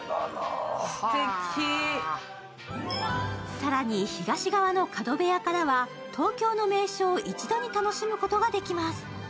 更に東側の角部屋からは東京の名所を一度に楽しむことができます。